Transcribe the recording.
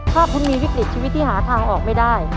ถ้าคุณมีวิกฤตชีวิตที่หาทางออกไม่ได้